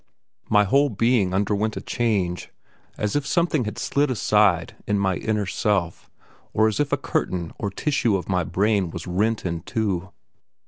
My whole being underwent a change, as if something had slid aside in my inner self, or as if a curtain or tissue of my brain was rent in two.